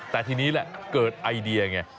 แต่ทีนี้แหละเกิดไอเดียไง